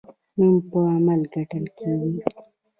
نوم په عمل ګټل کیږي